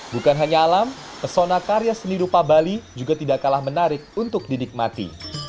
bukan hanya alam pesona karya seni rupa bali juga tidak kalah menarik untuk dinikmati